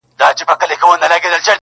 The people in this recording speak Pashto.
پر موږ راغلې توره بلا ده،